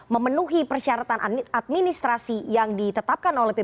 memenuhi persyaratan administrasi yang ditetapkan oleh pbid